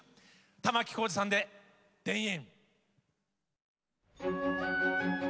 玉置浩二さんで「田園」。